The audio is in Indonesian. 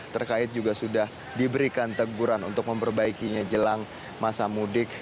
terkait juga sudah diberikan teguran untuk memperbaikinya jelang masa mudik